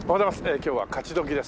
今日は勝どきです。